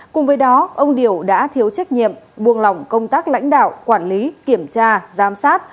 cùng với đó ông điều đã thiếu trách nhiệm buông lỏng công tác lãnh đạo quản lý kiểm tra giám sát